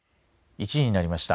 １時になりました。